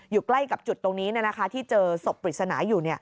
อยู่ใกล้กับจุดตรงนี้ที่เจอศพปริศนาอยู่